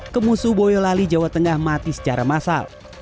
kemusuh boyolali jawa tengah mati secara massal